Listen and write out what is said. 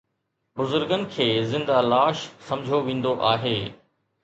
بزرگن کي زنده لاش سمجهيو ويندو آهي